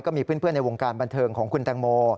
มีเพื่อนในวงการบันเทิงของคุณแตงโม